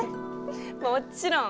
もっちろん！